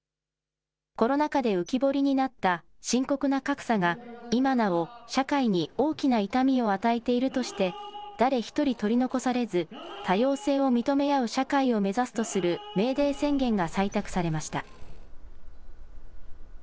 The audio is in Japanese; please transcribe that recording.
コロナ禍で浮き彫りになった深刻な格差が、今なお社会に大きな痛みを与えているとして、誰一人取り残されず、多様性を認め合う社会を目指すとするメーデー宣言が採択されました。